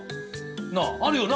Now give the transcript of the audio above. なああるよな？